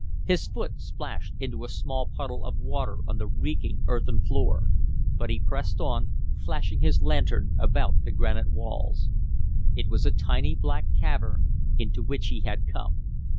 His foot splashed into a small puddle of water on the reeking, earthen floor. But he pressed on, flashing his lantern about the granite walls. It was a tiny black cavern into which he had come.